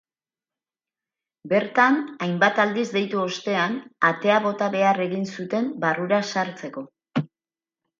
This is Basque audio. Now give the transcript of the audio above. Bertan hainbat aldiz deitu ostean, atea bota behar egin zuten barrura sartzeko.